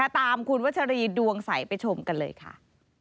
ตามคุณวัชรีดวงใสไปชมกันเลยค่ะ